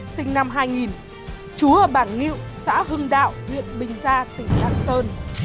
sinh năm hai nghìn trú ở bản nghịu xã hưng đạo huyện bình gia tỉnh đăng sơn